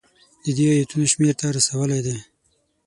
د دې ایتونو شمېر ته رسولی دی.